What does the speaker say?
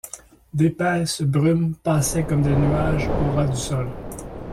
D’épaisses brumes passaient comme des nuages au ras du sol